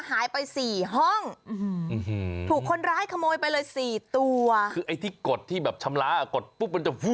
หายไปสี่ห้องถูกคนร้ายขโมยไปเลยสี่ตัวคือไอ้ที่กดที่แบบชำระกดปุ๊บมันจะ